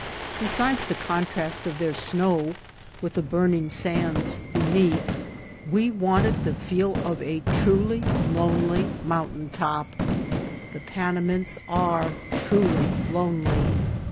Besides the contrast of their snow with the burning sands beneath, we wanted the feel of a truly lonely mountain top. The Panamints are truly lonely.